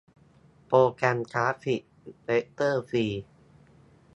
โปรแกรมกราฟิกเวกเตอร์ฟรี